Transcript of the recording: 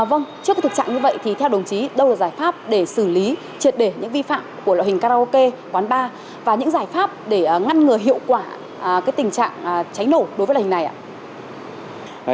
vâng trước cái thực trạng như vậy thì theo đồng chí đâu là giải pháp để xử lý triệt để những vi phạm của loại karaoke quán bar và những giải pháp để ngăn ngừa hiệu quả tình trạng cháy nổ đối với lệnh này ạ